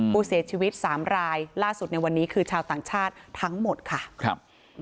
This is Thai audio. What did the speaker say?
ผู้เสียชีวิต๓รายล่าสุดในวันนี้คือชาวต่างชาติทั้งหมดค่ะครับ